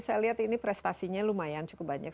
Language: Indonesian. saya lihat ini prestasinya lumayan cukup banyak